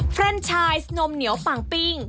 แฟรนไชน์นมเหนียวปังปิ้ง